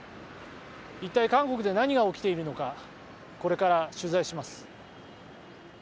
一体、韓国で何が起きているのかこれから取材します。